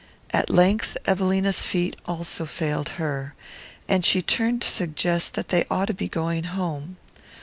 At length Evelina's feet also failed her, and she turned to suggest that they ought to be going home.